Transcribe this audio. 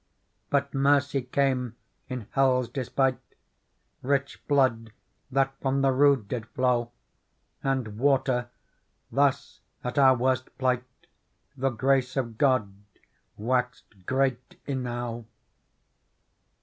But Mercy came in hell's despite, Rich blood that from the rood did flow And water ; thus at our worst plight The grace of God waxed great enow.